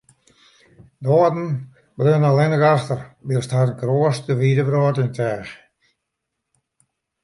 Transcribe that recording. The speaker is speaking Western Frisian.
De âlden bleaune allinne efter, wylst harren kroast de wide wrâld yn teach.